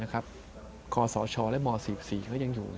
คศชและมศศก็ยังอยู่